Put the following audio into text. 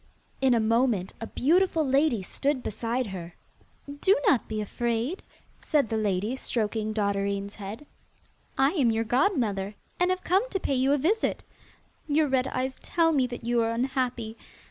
In a moment a beautiful lady stood beside her. 'Do not be afraid,' said the lady, stroking Dotterine's head. 'I am your godmother, and have come to pay you a visit. Your red eyes tell me that you are unhappy.